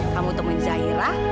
kamu temen zairah